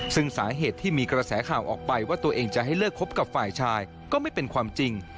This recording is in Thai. ซึ่งสาเหตุที่มีกระแสข่าวออกไปว่าตัวเองจะให้เลิกคบกับฝ่ายชายก็ไม่เป็นความจริง